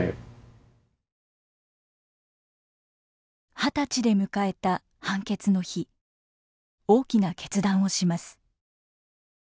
二十歳で迎えた判決の日大きな決断をします。